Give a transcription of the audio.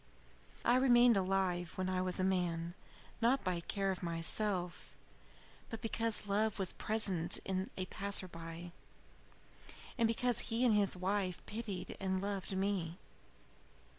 "I remained alive when I was a man, not by care of myself, but because love was present in a passer by, and because he and his wife pitied and loved me.